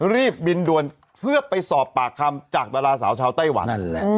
รีบบินด่วนเพื่อไปสอบปากคำจากดาราสาวชาวไต้หวันนั่นแหละ